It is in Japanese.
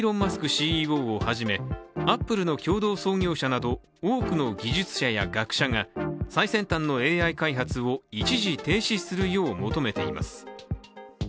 ＣＥＯをはじめアップルの共同創業者など多くの技術者や学者が最先端のＡＩ開発を一時停止するよう求めています。